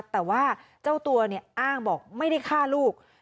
แต่ว่าเจ้าตัวอ้างบอกไม่ได้ฆ่าลูก